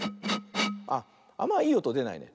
あっあんまいいおとでないね。